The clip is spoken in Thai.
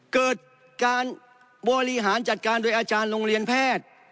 เกิดการบริหารจัดการโดยอาจารย์โรงเรียนแพทย์